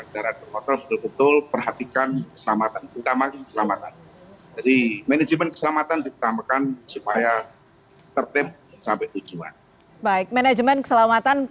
jadi manajemen keselamatan diutamakan supaya tertib sampai tujuan baik manajemen keselamatan